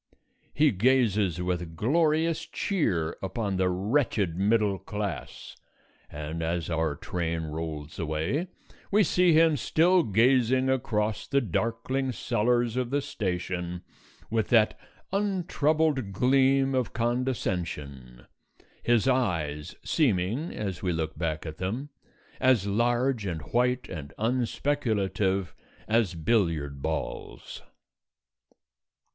He gazes with glorious cheer upon the wretched middle class, and as our train rolls away we see him still gazing across the darkling cellars of the station with that untroubled gleam of condescension, his eyes seeming (as we look back at them) as large and white and unspeculative as billiard balls.